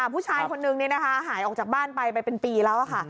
ผู้ชายคนนึงหายออกจากบ้านไปไปเป็นปีแล้วค่ะ